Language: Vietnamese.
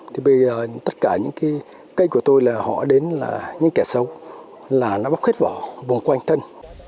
thì bây giờ tất cả những cây của tôi là họ đến là những kẻ sâu là nó bóc hết vỏ vùng quanh thân